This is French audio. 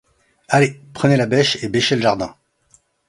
Allez ! prenez la bêche et bêchez le jardin !